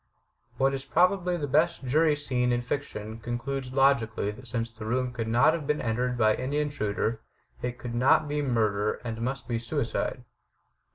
What is probably the best jury scene in fiction concludes logically that since the room could not have been entered by any intruder it could not be murder and must be suicide.